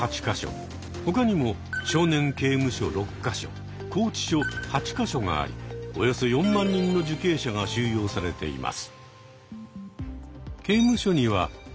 他にも少年刑務所６か所拘置所８か所がありおよそ４万人の受刑者が収容されています。